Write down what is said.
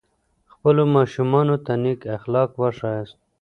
خپلو ماشومانو ته نیک اخلاق وښایاست.